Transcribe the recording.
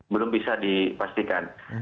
belum bisa dipastikan